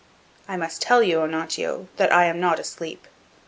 I must tell you, Onontio, that I am not asleep.